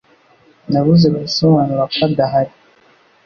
Nabuze gusobanura ko adahari.